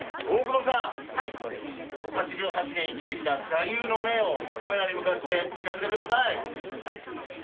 大久保さん、８８年生きてきた座右の銘をカメラに向かって聞かせてください。